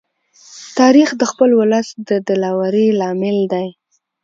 تاریخ د خپل ولس د دلاوري لامل دی.